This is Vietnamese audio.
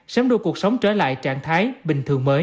sớm đưa cuộc sống trở lại trạng thái bình thường mới